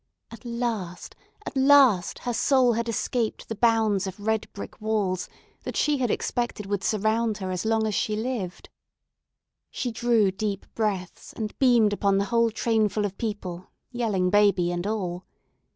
At last, at last, her soul had escaped the bounds of red brick walls that she had expected would surround her as long as she lived. She drew deep breaths, and beamed upon the whole trainful of people, yelling baby and all.